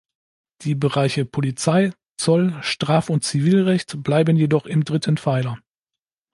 Die Bereiche Polizei, Zoll, Straf- und Zivilrecht bleiben jedoch im dritten Pfeiler.